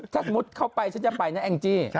ถ้าสมมุติเข้าไปฉันจะไปนะแองจี้